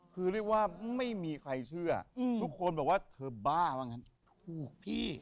คือเรียกว่าไม่มีใครเชื่อทุกคนบอกว่าเธอบ้าว่างั้นถูกพี่